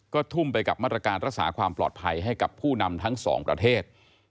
ก็ทุ่มไปกับมาตรการรักษาความปลอดภัยให้กับผู้นำทั้งสองประเทศ